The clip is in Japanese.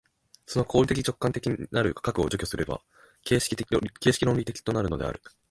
その行為的直観的なる核を除去すれば形式論理的となるのである。